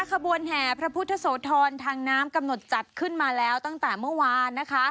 ขบวนแห่พระพุทธโสธรทางน้ำกำหนดจัดขึ้นมาแล้วตั้งแต่เมื่อวานนะคะ